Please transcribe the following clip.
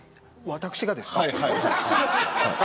私がですか。